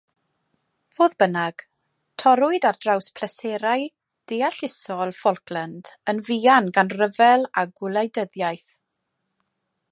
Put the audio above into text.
Fodd bynnag, torrwyd ar draws pleserau deallusol Falkland yn fuan gan ryfel a gwleidyddiaeth.